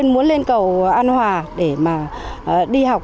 muốn lên cầu an hòa để đi học